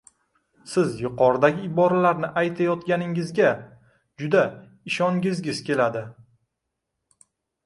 siz yuqoridagi iboralarni aytayotganligingizga juda ishongizgiz keladi.